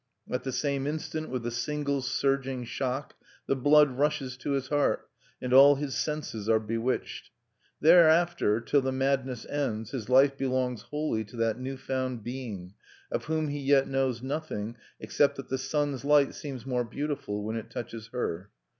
At the same instant, with a single surging shock, the blood rushes to his heart; and all his senses are bewitched. Thereafter, till the madness ends, his life belongs wholly to that new found being, of whom he yet knows nothing, except that the sun's light seems more beautiful when it touches her.